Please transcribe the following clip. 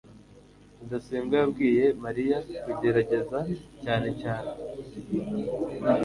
rudasingwa yabwiye mariya kugerageza cyane cyane